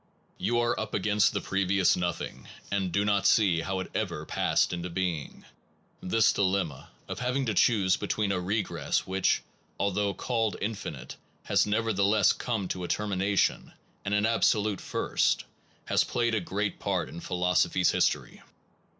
You are up against the previous nothing, and do not see how it ever passed into being. This dilemma, of having to choose between a regress which, although called infinite, has neverthe less come to a termination, and an absolute first, has played a great part in philosophy s history.